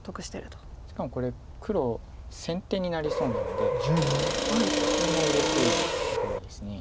しかもこれ黒先手になりそうなのでそれもうれしいところです。